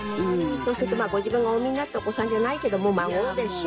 そうするとご自分がお産みになったお子さんじゃないけどもう孫でしょ。